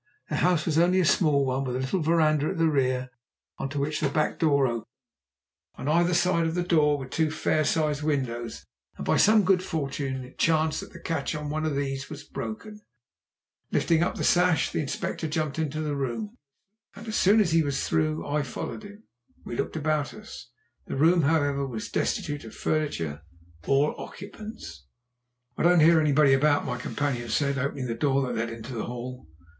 The house was only a small one, with a little verandah at the rear on to which the back door opened. On either side of the door were two fair sized windows, and by some good fortune it chanced that the catch of one of these was broken. Lifting the sash up, the Inspector jumped into the room, and as soon as he was through I followed him. Then we looked about us. The room, however, was destitute of furniture or occupants. "I don't hear anybody about," my companion said, opening the door that led into the hall.